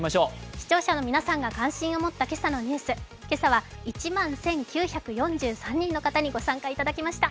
視聴者の皆さんが関心を持った今朝のニュース、今朝は１万１９４３人の方にご参加いただきました